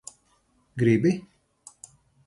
Gribi?